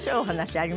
あります？